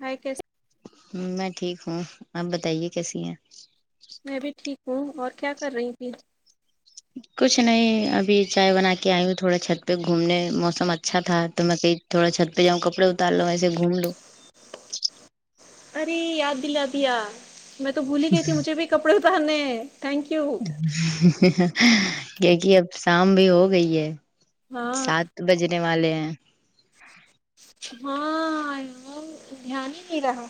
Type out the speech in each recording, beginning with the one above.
ہائے کیسے میں ٹھیک ہوں آپ بتائیے کیسی ہیں میں بھی ٹھیک ہوں اور کیا کر رہی تھی [inaudible] کچھ نہیں ابھی چائے بنا کے آئی ہوں تھوڑا چھت پہ گھومنے موسم اچھا تھا تو میں دیکھ تھوڑا چھت جاؤں کپڑ اتار لو ایسے گھوم لو ارے یاد دلا دیا میں تو بھولی گئی تھی مجھے بھی کپڑے اترنے ہے تھنک یو کیونکہ اب شام بھی ہو گئی ہے ہاں سات بجنے والے ہیں ہاں دھیان ہی نہیں رہا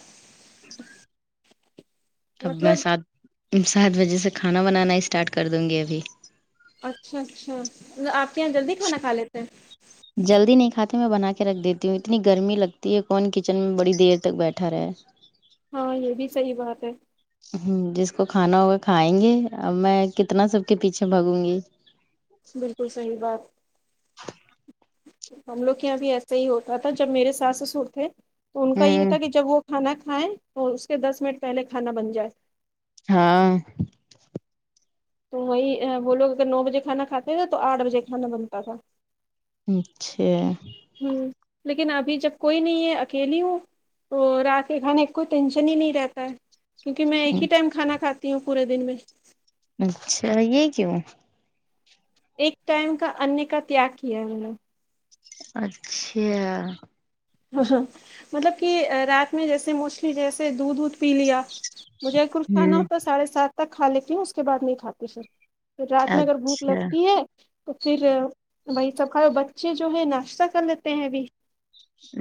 [inaudible] اب میں مطلب سات سات بجہ سے کھانا بنانا اسٹارٹ کر دوں گی ابھی اچھا اچھا آپ کے یہاں جلدی کھانا کھا لیتے ہیں جلدی نہیں کھاتے میں بنا کے رکھ دیتی ہوں اتنی گرمی لگتی ہے کون کچن میں بڑی دیر تک بیٹھا رہے ہاں یہ بھی صحیح بات ہے ہم جس کو کھانا ہوگا کھائیں گے ا میں کتنا سب کے پیچھے بھاگوں گی بالکل صحیح بات ہم لوگ کے یہاں بھی ایسے ہی ہوتا تھا جب میرے ساس سسر تھے تو ان کا یہ ہوں تھا کہ جب وہ کھانا کھائیں تو اس کے دس منٹ پہلے کھانا بن جائے ہاں تو وہی وہ لوگ اگر نو بجے کھانا کھاتے نا تو آٹھ بجے کھانا بنتا تھا اچھا ہم لیکن ابھی جب کوئی نہیں ہے اکیلی ہو تو رات کے کھانے کا کوئی ٹینشن ہی نہیں رہتا ہے کیونکہ میں ایک ہی ٹائم کھانا کھاتی ہوں پورے دن میں اچھا یہ کیوں ایک ٹائم کا انیہ کا تیاگ کیا ہے میں نے اچھا ہاں ہاں مطلب کہ رات میں جیسے موسٹلی جیسے دودھ وودھ پی لیا مجھے کچھ کھانا ہوں ہوتا سڑھے سات تک کھا لیتی ہوں اس کے بعد نہیں کھاتی پھر تو رات میں اگر بھوک اچھا لگتی ہے تو پھر وہی سب کھا بچے جو ہے ناشتہ کر لیتے ہیں ابھی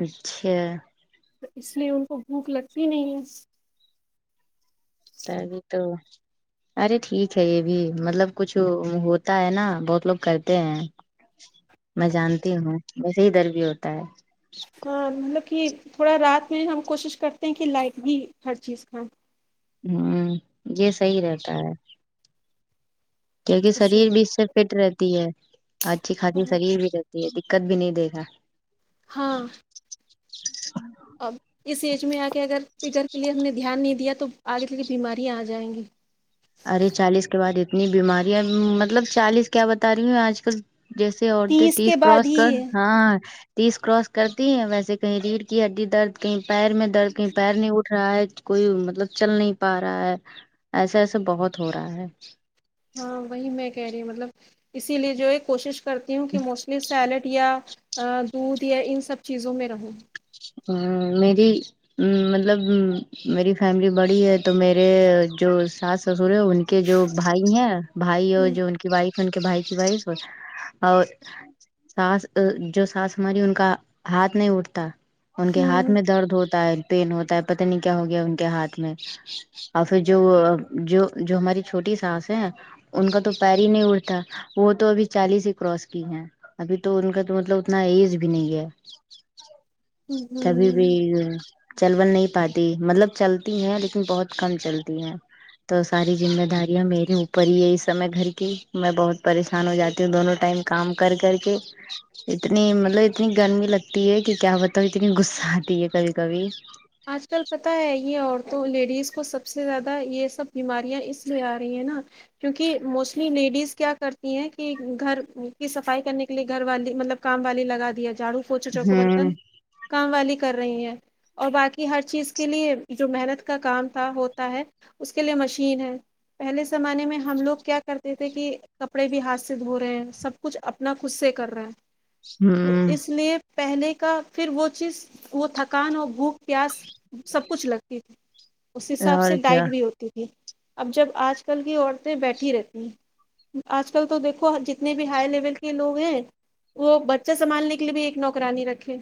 اچھا تو اس لیے ان کو بھوک لگتی نہیں ہے تا ابھی تو ارے ٹھیک ہے یہ بھی مطلب کچھ ہوتا ہے نا بہت لوگ کرتے ہیں میں جانتی ہوں ویسے ادھر بھی ہوتا ہے ہاں مطلب کہ تھوڑا رات میں ہم کوشش کرتے ہیں کہ لائک بھی ہر چیز کھائیں ہم یہ صحیح رہتا ہے کیونکہ شریر بھی اس سے فٹ رہتی ہے اچھی خاصی شریر بھی رہتی ہے دکات بھی نہیں دیگا ہاں اب اس ایج میں آ کے اگر فگر کے لیے ہم نے دھیان نہیں دیا تو آگے چل کے بیماریاں آ جائیں گی ارے چالیس کے بعد اتنی بیمارییاں مطلب چالیس کیا بتا رہی ہوں آج کل جیسے عورتیں کے تیس بعد کراس ہی کر ہے ہاں تیس کراس کرتی ہے ویسے کہیں ریڑھ کی ہڈی درد کہیں پیر میں درد کہیں پیر نہیں اٹھ رہا ہے کوئی مطلب چل نہیں پا رہا ہے ایسا ایسا بہت ہو رہا ہے ہاں وہی میں کہہ رہی ہوں مطلب اسی لیے جو ہے کوشش کرتی ہوں کہ موسٹلی سیلڈ یا ا دودھ یا ان سب چیزوں میں رہوں اں میری مطلب میری فیملی بڑی ہے تو میرے جو ساس سسور ہے ان کے جو بھائی ہیں بھائی اور ہوں جو ان کی وائف ہے ان کے بھائی کی وائف ہے اور ساس جو ساس ہماری ان کا ہاتھ نہیں اٹھتا ان کے ہاتھ ہوں میں درد ہوتا ہے پین ہوتا ہے پتہ نہیں کیا ہو گیا ان کے ہاتھ میں اور پھر جو وہ جو جو ہماری چھوٹی سانس ہے ان کا تو پیر ہی نہیں اڑتا وہ تو ابھی چالیس ہی کراس کی ہیں ابھی تو ان کا تو مطلب اتنا ایج بھی نہیں ہے کبھی بھی ہوں چل ول نہیں پاتی مطلب چلتی ہیں لیکن بہت کم چلتی ہیں تو ساری ذمہ داریاں میرے اوپر ہی ہے اس سمے گھر کی میں بہت پریشان ہو جاتی ہوں دونوں ٹائم کام کر کر کے اتنی مطلب اتنی گرمی لگتی ہے کہ کیا ب تب اتنی غصہ آتی ہے کبھی کبھی آج کل پتا ہے یہ عورتوں لیڈیز کو سب سے زیادہ یہ سب بیماریاں اس لیے آ رہی ہیں نا کیونکہ موسٹلی لیڈیز کیا کرتی ہیں کہ گھر کی صفائی کرنے کے لیے گھر والی مطلب کام والی لگا دیا جھاڑو پوچھا چوکو ہوں برتن کام والی کر رہی ہیں اور باقی ہر چیز کے لیے جو محنت کا کام تھا ہوتا ہے اس کے لیے مشین ہے پہلے زمانے میں ہم لوگ کیا کرتے تھے کہ کپڑے بھی ہاتھ سے دھو رہے ہیں سب کچھ اپنا خود سے کر رہے ہیں تو ہوں اس لیے پہلے کا پھر وہ چیز وہ تھکان اور بھوک پیاس سب کچھ لگتی تھی اس حساب سے اور کیا ڈائٹ بھی ہوتی تھی اب جب آج کل کی عورتیں بیٹھی رہتی ہیں آج کل تو دیکھو جتنے بھی ہائی لیول کے لوگ ہیں وہ بچہ سنبھالنے کے لیے بھی ایک نوکرانی رکھے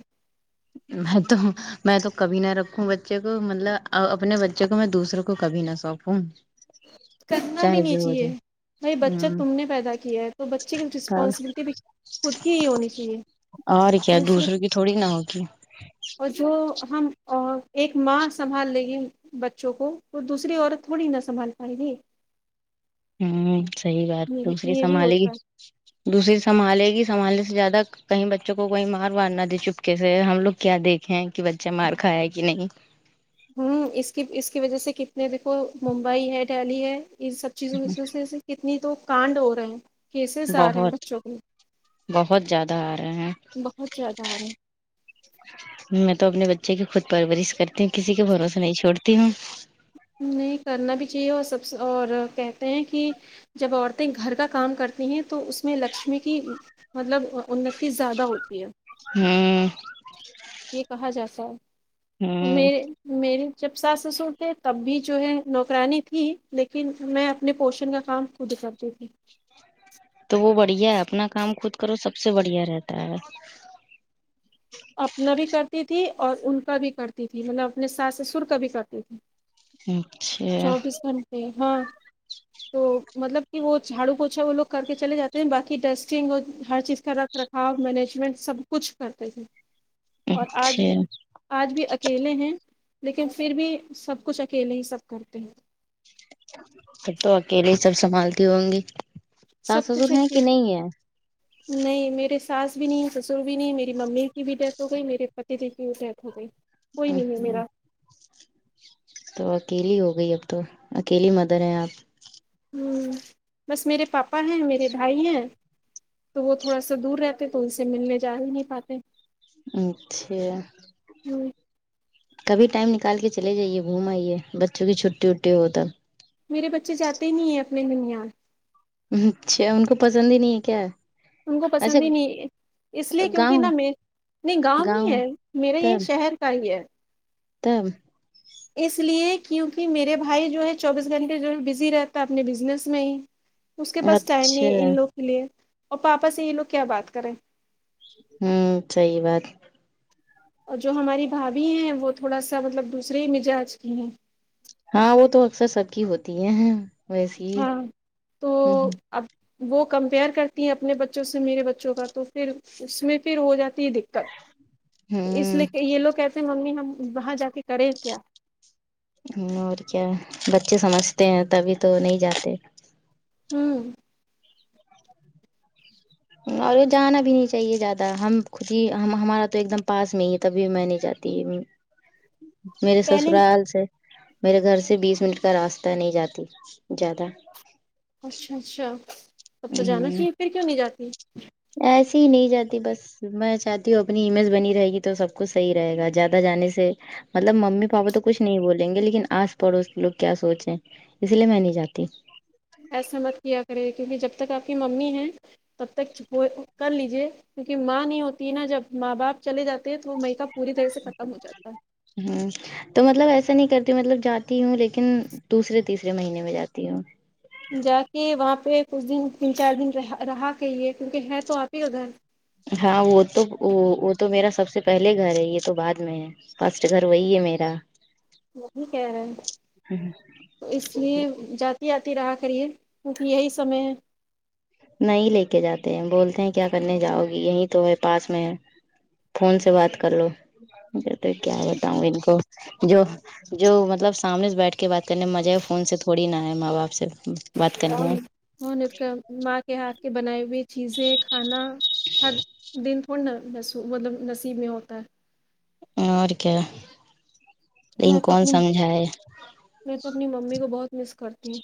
میں تو میں تو کبھی نہ رکھوں بچے کو مطلب اپنے بچے کو میں دوسروں کو کبھی نہ سوپوں کون کرنا بھی نہیں چاہیے بھائی جائے بچہ ہوں تم نے پیدا کیا ہے تو بچے کی رسپانسبلٹی بھی خود کی ہی ہونی چاہیے اور کیا دوسرے دوسروں کی تھوڑی نا ہوگی اور جو ہم ا ایک ماں سنبھال لےگی بچوں کو تو دوسری عورت تھوڑی نہ سنبھال پائے گی ہوں صحیح بات یہ بھی دوسری یہ بھی سنبھالے گی ہوتا ہے دوسری سنبھالے گی سنبھالنے سے زیادہ کہیں بچوں کو کوئی مار وار نہ دے چپکے سے ہم لوگ کیا دیکھیں کہ بچہ مار کھایا کہ نہیں ہوں اس کی اس کی وجہ سے کتنے دیکھو ممبئی ہے دہلی ہے ان سب چیزوں کی وجہ سے کتنی تو کانڈ ہو رہے ہیں کیسز آ رہے ہیں بہت بچوں کے بہت زیادہ آ رہے ہیں بہت زیادہ آ رہے ہیں میں تو اپنے بچے کی خود پرورش کرتی ہوں کسی کے بھروسے نہیں چھوڑتی ہوں نہیں کرنا بھی چاہیے اور سب سے اور کہتے ہیں کہ جب عورتیں گھر کا کام کرتی ہیں تو اس میں لکشمی کی مطلب اناتی زیادہ ہوتی ہے ہوں یہ کہا جیسا تو ہوں میرے میری جب ساس سسر تب بھی جو ہے نوکرانی تھی لیکن میں اپنے پوشن کا کام خود کرتی تھی تو وہ بڑھیا ہے اپنا کام خود کرو سب سے بڑھیا رہتا ہے اپنا بھی کرتی تھی اور ان کا بھی کرتی تھی مطلب اپنے ساس سسر کا بھی کرتی تھی اچھا کرتے ہاں تو مطلب کہ وہ جھاڑو پوچھا وہ لوگ کر کے چلے جاتے ہیں باقی ڈسٹنگ اور ہر چیز کا رکھ رکھ ہاؤس مینجمنٹ سب کچھ کرتے ہیں اور آج اچھا بھی آج بھی اکیلے ہیں لیکن پھر بھی سب کچھ اکیلے ہی سب کرتے ہیں پھر تو اکیلے ہی سب سنبھالتی ہوں گی سب ساس کچھ سسر ہیں کہ ہےپھر نہیں ہے نہیں میرے ساس بھی نہیں سسر بھی نہیں میری ممی کی بھی ڈیتھ ہو گئی میرے پتی جی کی بھی ڈیتھ ہو گئی کوئی نہیں ہے میرا تو اکیلی ہو گئی اب تو اکیلی مدر ہیں آپ ہوں بس میرے پاپا ہیں میرے بھائی ہیں تو وہ تھوڑا سا دور رہتے تو ان سے ملنے جا ہی نہیں پاتے اچھا ہ کبھی ٹائم نکال کے چے جائیے گھومائیے بچوں کی چھٹی وٹٹی ہو تو میرے بچے جاتے نہیں ہیں اپنے ننھیال اچھا ان کو پسند ہی نہیں ہے کیا ان کو پسند ہی اچھا نہیں ہے اس لیے کیونکہ نا گاؤں میں نہیں گاؤں ہی ہے میرے یہ تب شہر کا ہی ہے تب اس لیے کیونکہ میرے بھائی جو ہے چوبیس گھنٹے جو ہے بزی رہتا ہے اپنے بزنس میں ہی اس کے پاس ٹائم نہیں اچھا ہے ان لوگوں کے لیے اور پاپا سے یہ لوگ کیا بات کریں ہوں صحیح بات ہے اور جو ہماری بھابھی ہیں وہ تھوڑا سا مطلب دوسرے ہی مزاج کی ہیں ہاں وہ تو اکثر سب کی ہوتی ہے ویسی ہی ہاں تو ہوں اب وہ کمپیئر کرتی ہیں اپنے بچوں سے میرے بچوں کا تو پھر اس میں پھر ہو جاتی ہے دقت تو اس لیے ہوں کہ یہ لوگ کہتے ہیں ممی ہم وہاں جا کے کرے کیا ہوں اور کیا بچے سمجھتے ہیں تبھی تو نہیں جاتے ہوں اور جانا بھی نہیں چاہیے زیادہ ہم خود ہی ہم ہمارا تو ایک دم پاس میں ہی ہے تبھی میں نہیں جات تی می میرے پہلے سسرال سے میرے گھر سے بیس منٹ کا راستہ نہیں جاتی زیادہ اچھا اچھا تب تو جانا چاہیے پھر کیوں نہیں جاتی ایسے ہی نہیں جاتی بس میں چاہتی ہوں اپنی امیج بنی رہے گی تو سب کچھ صحیح رہے گا زیادہ جانے سے مطلب ممی پاپا تو کچھ نہیں بولیں گے لیکن آس پڑوس لوگ کیا سوچیں اسی لیے میں نہیں جاتی ایسا مت کیا کرے کیونکہ جب تک آپ کی ممی ہیں تب تک وہ کر لیجے کیونکہ ماں نہیں ہوتی ہے نا جب ماں باپ چلے جاتے ہیں تو وہ میکا پوری طرح سے ختم ہو جاتا ہے ہوں تو مطلب ایسا نہیں کرتی مطلب جاتی ہوں لیکن دوسرےتیسرے مہینے میں جاتی ہوں جا کے وہاں پہ کچھ دن تین چار دن رہ رہا کہی یہ کیونکہ ہے تو آپ ہی کا گھر ہاں وہ تو وہ تو میرا سب سے پہلے گھر ہے یہ تو بعد میں ہے فرسٹ گھر وہی ہے میرا وہی کہہ رہے ہیں تو اس لیے ج جاتی آتی رہا کریے کیونکہ یہی سمےہے نہیں لے کے جاتے ہیں بولتے ہیں کیا کرنے جاؤ گی یہی تو ہے پاس میں ہے فون سے بات کر لو کیا بتاؤں ان کو جو جو مطلب سامنے سے بیٹھ کے بات کرنے میں مزہ ہے فون سے تھوڑی نہ ہے ماں باپ سے بات کرنے اور نے میں [unintelligible] اس کا ماں کے ہاتھ کے بنائی ہوئی چیزیں کھانا ہر دن تھوڑا نا مطلب نصیب میں ہوتا ہے اور کیا میں لیکن تو کون اپنی سمجھائے میں تو اپنی ممی کو بہت مس کرتی ہوں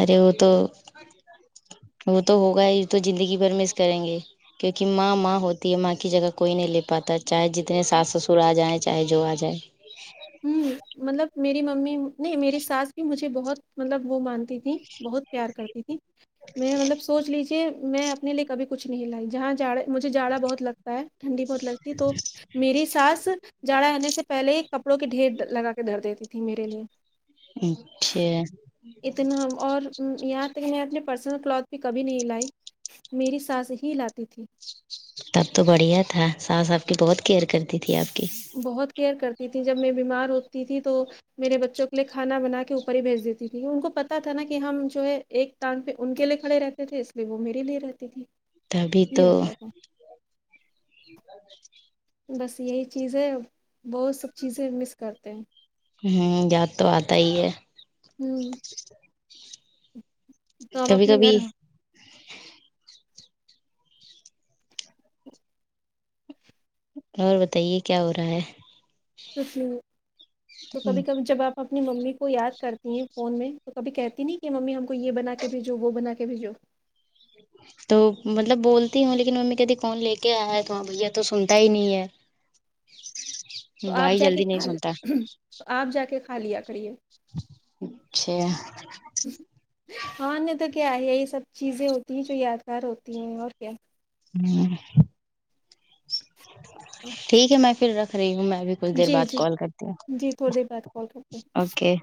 ارے وہ تو وہ تو ہوگا ہی تو زندگی بھر میںس کریں گے کیونکہ ماں ماں ہوتی ہے ماں کی جگہ کوئی نہیں لے پاتا چاہے جتنے ساس سسر آ جائیں چاہے جو آ جائیں ہمم مطلب میری ممی نہیں میری ساس بھی مجھے بہت مطلب وہ مانتی تھی بہت پیار کرتی تھی میں مطلب سوچ لیجیے پھر میں اپنے لیے کبھی کچھ نہیں لائی جہاں جا مجھے جاڑا بہت لگ تا ٹھنڈی بہت لگتی ہے تو میری ساس جاڑا رہنے سے پہلے ہی ک پڑوں کی ڈھیر لگا کے دھر دیتی تھی میرے لیے اچھا اتنا اور یہاں تک میں اپنے پرسنل کلاتھ بھی کبھی نہیں لائی میری سانس ہی لاتی تھی تب تو بڑھیا تھا ساس آپ کی بہت کیئر کرتی تھی آپ کی بہت کیئر کرتی تھیں جب میں بیمار ہوتی تھی تو میرے بچوں کے لیے کھانا بنا کے اوپر ہی بھیج دیتی تھی ان کو پتا تھا نا کہ ہم جو ہے ایک ٹانگ پہ ان کے لیے کھڑے رہتے تھے اس لیے وہ میرے لیے رہتی تھی تبھی یہ تو ہوتا تھا [unintelligible] بس یہی چیزیں بہت سب چیزیں مس کرتے ہیں ہمم یاد تو آتا ہی ہے ہوں تو آپ کبھی اپنے کبھی گھر اور بتائیے کیا ہو رہا ہے کچھ بھی نہیں تو ہے کبھی کبھی جب آپ اپنی ممی کو یاد کرتی ہیں فون میں تو کبھی کہتی نہیں کہ ممی ہم کو یہ بنا کے بھیجو وہ بنا کے بھیجو تو مطلب بولتی ہوں لیکن ممی کہتی کون لے کے آیا ہے تو ہاں بھیا تو سنتا ہی نہیں تو ہے آپ بھائی جا کے جلدی کھا نہیں سنتا ہے تو آپ جا کے کھا لیا کریے اچھا ہاں نہیں تو کیا ہے یہی سب چیزیں ہوتی ہیں جو یادگار ہوتی ہیں اور کیا ہمم ہاں ٹھیک ہے میں پھر رکھ رہی ہوں میں ب کچھ دیر جی بعد جی کال کرتی ہوں جی تھوڑی دیر بعد کال کرتے ہیں اوکے